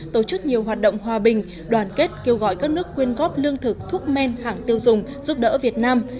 tổ chức nhiều hoạt động hòa bình đoàn kết kêu gọi các nước quyên góp lương thực thuốc men hãng tiêu dùng giúp đỡ việt nam